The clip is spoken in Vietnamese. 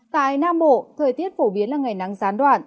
tại nam bộ thời tiết phổ biến là ngày nắng gián đoạn